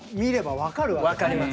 分かります。